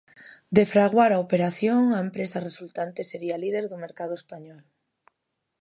De fraguar a operación, a empresa resultante sería líder do mercado español.